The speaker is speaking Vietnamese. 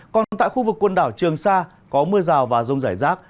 còn tại khu vực quần đảo trường sa có mưa rào và rông rải rác